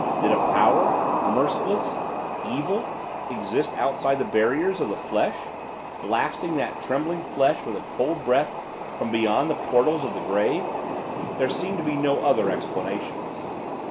Did a power merciless evil exists outside the barriers of the flesh blasting that trembling flesh with a cold breath from beyond the portals of the grave? There seemed to be no other explanation.